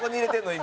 今。